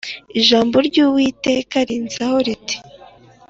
Ijambo ry’Uwiteka rinzaho riti